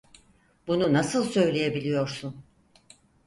Bunu nasıl söyleyebiliyorsun?